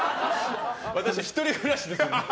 私、１人暮らしですから。